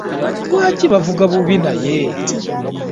Lwaki bavuga bubi naye?